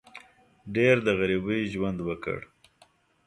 ډېر د غریبۍ ژوند وکړ.